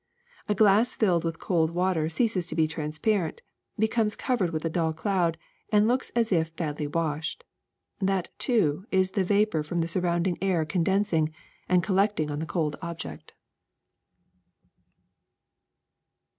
A glass filled with cold water ceases to be transparent, becomes covered with a dull cloud, and looks as if badly washed. That, too, is the vapor from the sur rounding air condensing — and collecting on the cold object.''